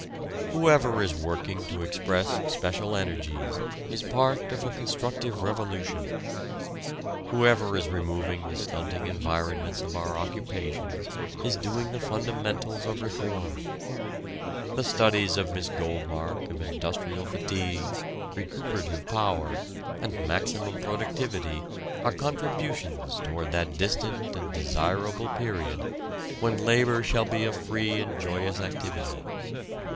Whoever is working to express special energies is part of a constructive revolution. Whoever is removing the stunting environments of our occupations is doing the fundamentals of reform. The studies of Miss Goldmark of industrial fatigue, recuperative power and maximum productivity are contributions toward that distant and desirable period when labor shall be a free and joyous activity.